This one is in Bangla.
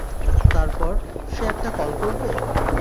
তারপর, সে একটা কল করবে!